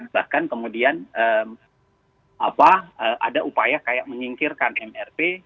bahkan kemudian ada upaya kayak menyingkirkan mrp